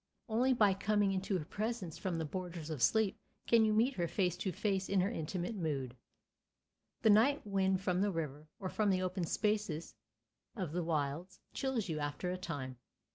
Only by coming into her presence from the borders of sleep can you meet her face to face in her intimate mood. The night wind from the river, or from the open spaces of the wilds, chills you after a time.